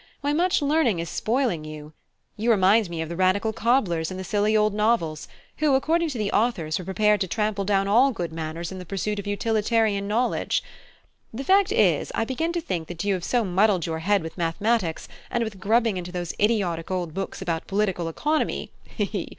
Why, much learning is spoiling you. You remind me of the radical cobblers in the silly old novels, who, according to the authors, were prepared to trample down all good manners in the pursuit of utilitarian knowledge. The fact is, I begin to think that you have so muddled your head with mathematics, and with grubbing into those idiotic old books about political economy (he he!)